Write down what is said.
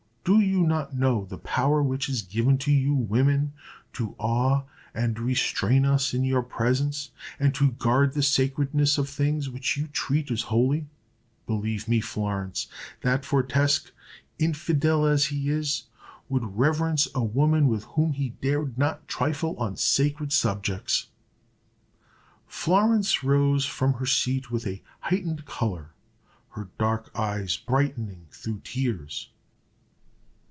Do you not know the power which is given to you women to awe and restrain us in your presence, and to guard the sacredness of things which you treat as holy? Believe me, Florence, that Fortesque, infidel as he is, would reverence a woman with whom he dared not trifle on sacred subjects." Florence rose from her seat with a heightened color, her dark eyes brightening through tears.